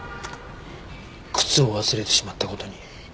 靴を忘れてしまった事に。